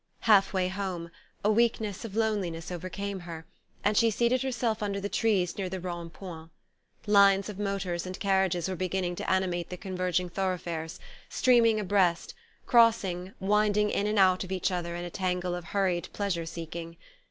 Halfway home, a weakness of loneliness overcame her, and she seated herself under the trees near the Rond Point. Lines of motors and carriages were beginning to animate the converging thoroughfares, streaming abreast, crossing, winding in and out of each other in a tangle of hurried pleasure seeking.